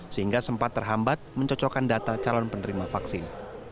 sehingga sempat terhambat mencocokkan data calon penerima vaksin